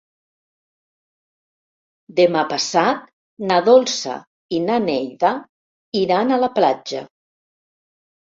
Demà passat na Dolça i na Neida iran a la platja.